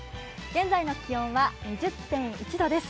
現在の気温は２０．１度です。